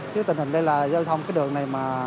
trước tình hình đây là giao thông cái đường này mà